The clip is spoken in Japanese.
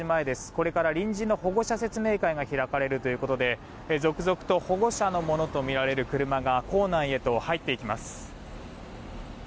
これから臨時の保護者説明会が開かれるということで続々と保護者のものとみられる車が校内へと入っていきます。